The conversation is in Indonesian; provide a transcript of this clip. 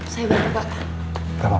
saya berhenti pak